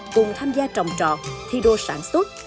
cùng tham gia trồng trọt thi đô sản xuất